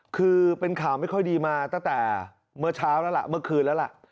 คือเป็นข่าวไม่ค่อยดีมาตั้งแต่เมื่อเช้าแล้วล่ะเมื่อคืนแล้วล่ะ